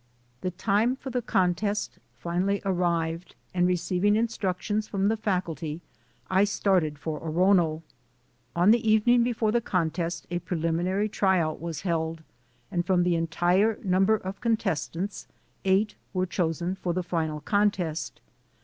The time for the contest finally arrived and re ceiving instructions from the faculty, I started for MY AMERICAN EDUCATION 173 Orono. On the evening before the contest, a pre liminary try out was held and from the entire num ber of contestants, eight were chosen for the final contest.